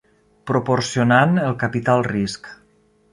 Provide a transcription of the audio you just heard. proporcionant el capital risc.